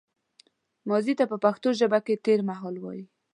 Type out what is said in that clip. ماضي ته په پښتو ژبه کې تېرمهال وايي